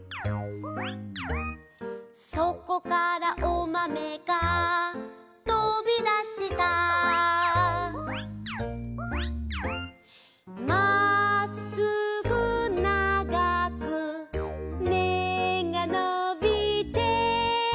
「そこからおまめが飛びだした」「まっすぐ長く芽がのびて」